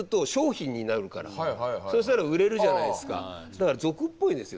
だから俗っぽいんですよ。